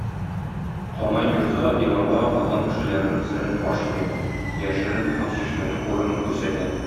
Камай мирза Иванга Казан кешеләренең серен фаш итә, яшерен Ханчишмәнең урынын күрсәтә.